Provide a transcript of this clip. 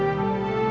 aku sudah lebih